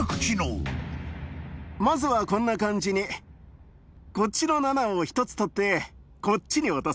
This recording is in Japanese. まずはこんな感じにこっちの「７」を１つ取ってこっちに落とす。